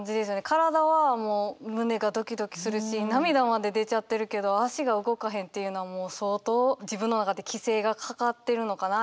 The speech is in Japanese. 体はもう胸がドキドキするし涙まで出ちゃってるけど足が動かへんっていうのはもう相当自分の中で規制がかかってるのかな？